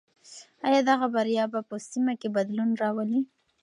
آیا دغه بریا به په سیمه کې بدلون راولي؟